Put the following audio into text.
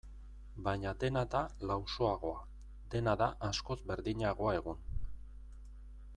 Baina dena da lausoagoa, dena da askoz berdinagoa egun.